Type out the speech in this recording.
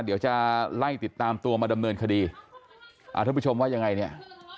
เดี๋ยวจะไล่ติดตามตัวมาดำเนินคดีอ่าท่านผู้ชมว่ายังไงเนี่ย